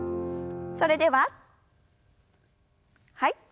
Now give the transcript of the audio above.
それでははい。